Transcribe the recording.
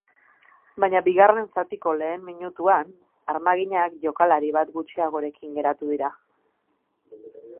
Baina bigarren zatiko lehen minutuan, armaginak jokalari bat gutxiagorekin geratu dira.